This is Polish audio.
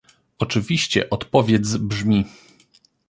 Oczywiście odpowiedz brzmi